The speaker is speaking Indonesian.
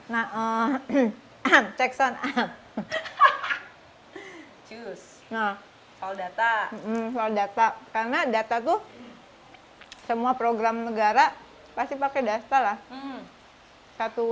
nah kalau data data karena data tuh semua program negara pasti pakai dasar lah satu